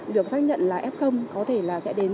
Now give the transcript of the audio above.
được xác nhận là f có thể là sẽ đến